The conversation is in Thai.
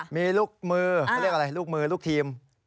มีลูกมือเขาเรียกอะไรลูกมือลูกทีม